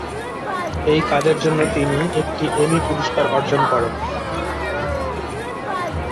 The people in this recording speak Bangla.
এই কাজের জন্য তিনি একটি এমি পুরস্কার অর্জন করেন।